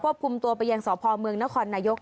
พบคุมตัวไปยังสอบพอม์เมืองนครนายก